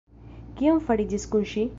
Kio fariĝis kun ŝi?